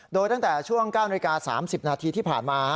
โดยตั้งแต่ช่วง๙นาฬิกา๓๐นาทีที่ผ่านมา